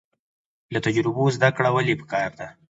له تجربو زده کړه ولې پکار ده؟